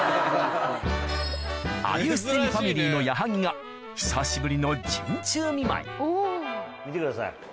『有吉ゼミ』ファミリーの矢作が久しぶりの陣中見舞い見てください。